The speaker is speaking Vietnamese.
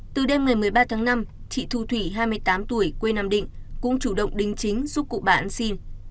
từ đêm ngày một mươi ba tháng năm chị thu thủy hai mươi tám tuổi quê nam định cũng chủ động đính chính giúp cụ bà ăn xin